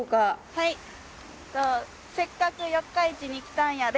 はい「せっかく四日市にきたんやで」